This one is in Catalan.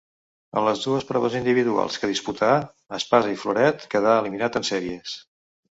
En les dues proves individuals que disputà, espasa i floret quedà eliminat en sèries.